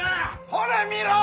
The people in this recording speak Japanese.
ほれ見ろ！